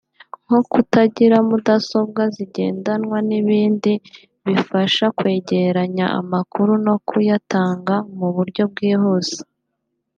nko kutagira mudasobwa zigendanwa n’ibindi bibafasha kwegeranya amakuru no kuyatanga mu buryo bwihuse